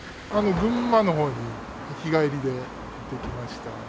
群馬のほうに日帰りで行ってきました。